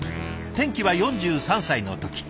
転機は４３歳の時。